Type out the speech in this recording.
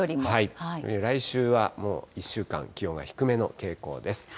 来週はもう１週間、気温が低めの傾向です。